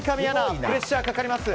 プレッシャーかかります。